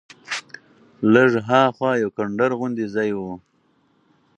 لږ ها خوا یو کنډر غوندې ځای و.